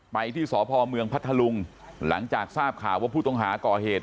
ไปที่สพเมืองพัทธลุงหลังจากทราบข่าวว่าผู้ต้องหาก่อเหตุ